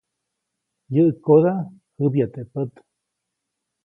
Yäʼkoda jäbya teʼ pät.